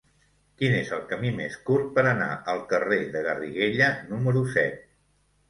Quin és el camí més curt per anar al carrer de Garriguella número set?